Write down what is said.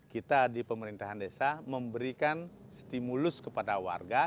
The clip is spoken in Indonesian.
kita di pemerintahan desa memberikan stimulus kepada warga